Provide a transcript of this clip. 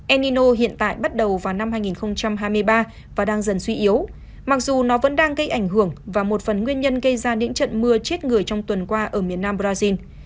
enino hiện tại bắt đầu vào năm hai nghìn hai mươi ba và đang dần suy yếu mặc dù nó vẫn đang gây ảnh hưởng và một phần nguyên nhân gây ra những trận mưa chết người trong tuần qua ở miền nam brazil